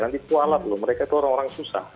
nanti kualap loh mereka itu orang orang susah